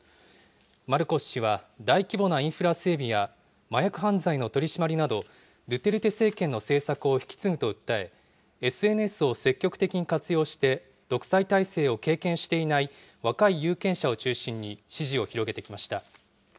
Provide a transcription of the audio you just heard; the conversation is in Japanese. マルコス氏は大規模なインフラ整備や、麻薬犯罪の取締りなど、ドゥテルテ政権の政策を引き継ぐと訴え、ＳＮＳを積極的に活用して、独裁体制を経験していない若い有権者を中心に支持を広げてきました。